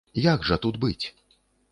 Як жа тут быць?